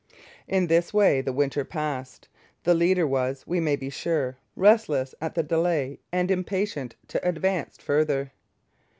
In this way the winter passed. The leader was, we may be sure, restless at the delay and impatient to advance farther.